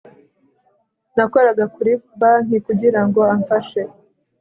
Nakoraga kuri banki kugirango amfashe